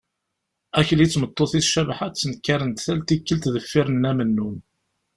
Akli d tmeṭṭut-is Cabḥa ttnekkaren-d tal tikkelt deffir n nna Mennun.